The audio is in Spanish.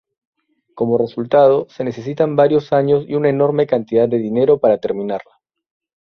Como resultado, se necesitan varios años y una enorme cantidad de dinero para terminarla.